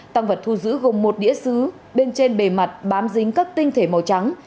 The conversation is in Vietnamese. tăng vật thu giữ gồm một đĩa xứ bên trên bề mặt bám dính các tinh thể màu trắng